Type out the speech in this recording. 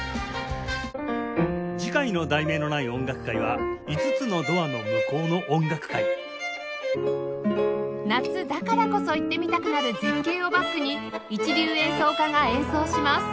次回の『題名のない音楽会』は「５つのドアの向こうの音楽会」夏だからこそ行ってみたくなる絶景をバックに一流演奏家が演奏します